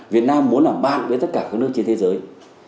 việt nam muốn làm bạn với tất cả các nước trên thế giới